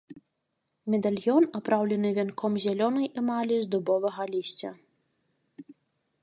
Медальён апраўлены вянком зялёнай эмалі з дубовага лісця.